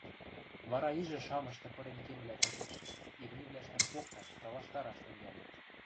Вара ижӹ шамышты пырен кемӹлӓ чучеш, имнивлӓштым покташ, талаштараш тӹнгӓлӹт.